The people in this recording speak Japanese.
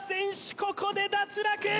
ここで脱落！